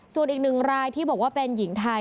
ส่วนอีกหนึ่งรายที่บอกว่าเป็นหญิงไทย